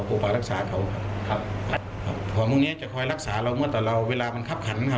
ก็เห็นมีดแล้วตอนที่เรามาตอนแรกครับโอ้โห